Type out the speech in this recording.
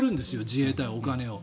自衛隊はお金を。